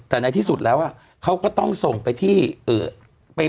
แต่ในที่สุดแล้วเขาก็ต้องส่งไปที่